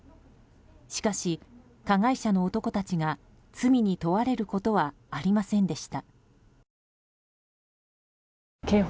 しかし、加害者の男たちが罪に問われることはありませんでした。